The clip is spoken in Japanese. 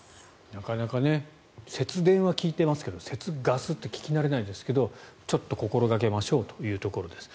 なかなかね節電は聞いてますが節ガスって聞き慣れないですけどちょっと心掛けましょうということです。